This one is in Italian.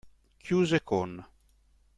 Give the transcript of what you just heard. Chiuse con.